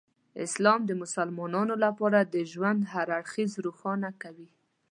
اسلام د مسلمانانو لپاره د ژوند هر اړخ روښانه کوي.